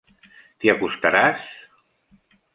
T'hi acostaràs?